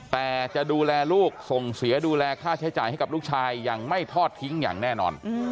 แต่จะดูแลลูกส่งเสียดูแลค่าใช้จ่ายให้กับลูกชายอย่างไม่ทอดทิ้งอย่างแน่นอน